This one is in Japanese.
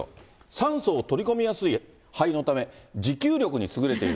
酸素を取り込みやすい肺のため、持久力に優れている。